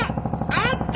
あった！